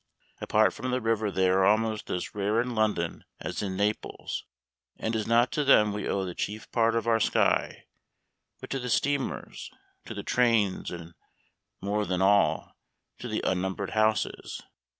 Apart from the river they are almost as rare in London as in Naples, and it is not to them we owe the chief part of our 'sky,' but to the steamers, to the trains, and, more than all, to the unnumbered houses.